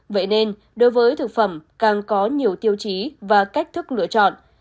vậy nên đối với thực phẩm càng có nhiều tiêu chí và cách thức lựa chọn